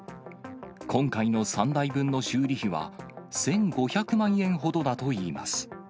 今回の３台分の修理費は、１５００万円ほどだといいます。